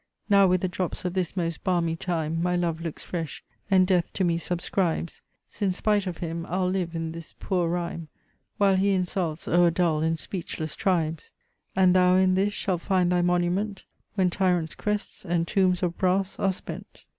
Now with the drops of this most balmy time My love looks fresh, and Death to me subscribes, Since spite of him, I'll live in this poor rhyme, While he insults o'er dull and speechless tribes. And thou in this shalt find thy monument, When tyrants' crests, and tombs of brass are spent."